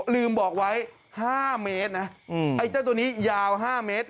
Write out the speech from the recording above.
ลืมบอกไว้๕เมตรนะไอ้เจ้าตัวนี้ยาว๕เมตร